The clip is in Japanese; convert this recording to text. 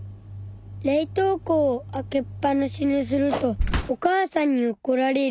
冷凍庫を開けっぱなしにするとお母さんにおこられる。